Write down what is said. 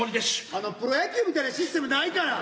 あのプロ野球みたいなシステムないから。